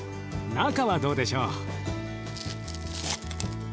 中はどうでしょう？